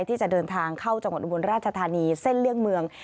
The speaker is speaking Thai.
ที่จะเดินทางเข้าจังหวัดอุบลราชธานีเส้นเลี่ยงเมือง